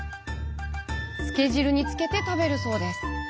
つけ汁につけて食べるそうです。